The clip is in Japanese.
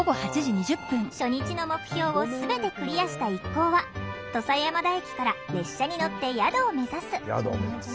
初日の目標を全てクリアした一行は土佐山田駅から列車に乗って宿を目指す。